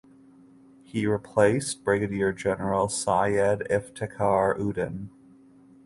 He replaced Brigadier General Syed Iftekhar Uddin.